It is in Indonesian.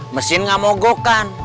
mesin gak mogokan